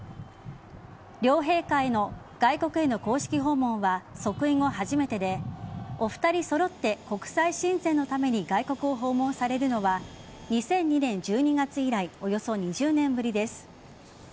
両陛下での外国への公式訪問は即位後初めてでお二人揃って国際親善のための外国の訪問は２０２０年１２月以来およそ２０年ぶりです。